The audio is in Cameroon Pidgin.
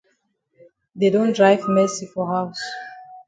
Dey don drive Mercy for haus.